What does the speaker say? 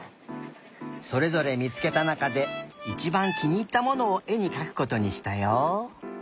それぞれみつけたなかでいちばんきにいったものをえにかくことにしたよ。